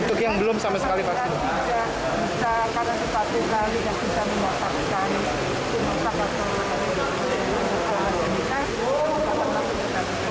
karena kita bisa mengakses lalu dan bisa mendapatkan vaksin dari tempat tempat yang bisa mendapatkan vaksin